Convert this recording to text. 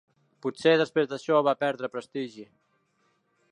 Potser després d'això va perdre prestigi.